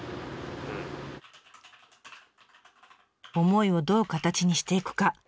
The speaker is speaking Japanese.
思いをどう形にしていくか。